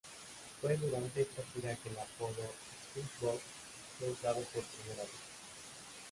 Fue durante esta gira que el apodo "Springboks" fue usado por vez primera.